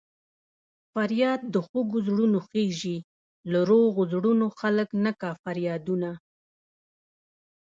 فریاد د خوږو زړونو خېژي له روغو زړونو خلک نه کا فریادونه